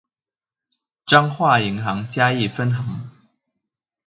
彰化銀行嘉義分行